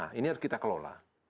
nah ini harus kita kelola